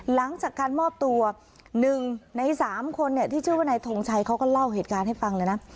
หลังจากการมอบตัวหนึ่งในสามคนเนี่ยที่ชื่อว่าในถมไชเขาก็เล่าเหตุการณ์ให้ฟังแล้วนะ